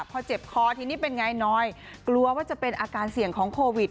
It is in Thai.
พอเจ็บคอทีนี้เป็นไงน้อยกลัวว่าจะเป็นอาการเสี่ยงของโควิด